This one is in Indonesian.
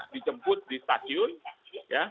dijemput di stasiun ya